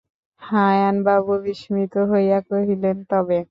হারানবাবু বিস্মিত হইয়া কহিলেন, তবে?